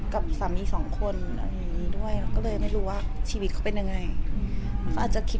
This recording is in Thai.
กับสามีสองคนด้วยก็เลยไม่รู้ว่าชีวิตเขาเป็นยังไง